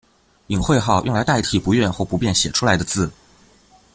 隐讳号用来代替不愿或不便写出来的字。